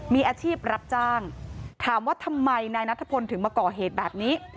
มีอาชีพรับจ้างถามว่าทำไมนายนัทพลถึงมาก่อเหตุแบบนี้